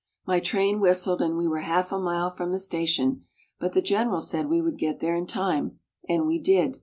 My train whistled and we were half a mile from the station, but the General said we would get there in time and we did.